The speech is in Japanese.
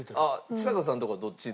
ちさ子さんのとこはどっちに？